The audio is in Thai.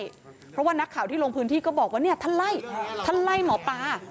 เพราะว่านักข่าวที่ลงพื้นที่ก็บอกว่าเนี่ยท่านไล่ท่านไล่หมอปลา